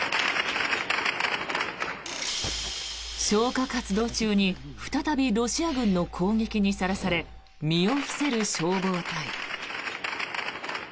消火活動中に再びロシア軍の攻撃にさらされ身を伏せる消防隊。